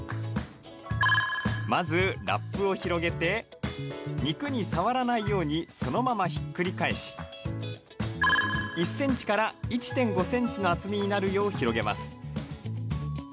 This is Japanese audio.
まず、ラップを広げて肉に触らないようにそのままひっくり返し１ｃｍから１．５ｃｍの厚みになるよう広げます。